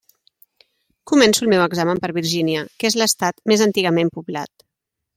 Començo el meu examen per Virgínia, que és l'estat més antigament poblat.